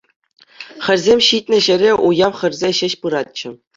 Хӗрсем ҫитнӗ ҫӗре уяв хӗрсе ҫеҫ пыратчӗ.